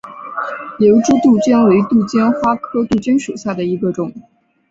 瘤枝杜鹃为杜鹃花科杜鹃属下的一个种。